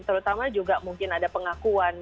terutama juga mungkin ada pengakuan